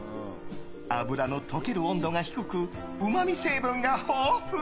脂の溶ける温度が低くうまみ成分が豊富。